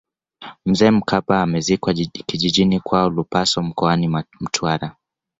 mzee mkapa amezikwa kijijini kwao lupaso mkoani mtwara